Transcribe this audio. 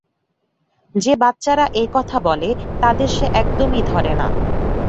যে বাচ্চারা এ কথা বলে তাদের সে একদমই ধরে না।